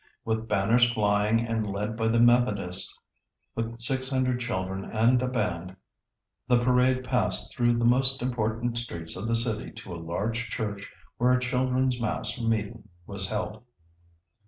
With banners flying, and led by the Methodists with six hundred children and a band, the parade passed through the most important streets of the city to a large church where a children's mass meeting was held.